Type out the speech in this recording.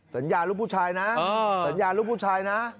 สัญญารูปผู้ชายนะ